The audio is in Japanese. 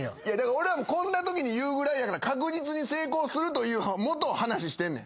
俺はこんなときに言うぐらいやから確実に成功するというもと話ししてんねん。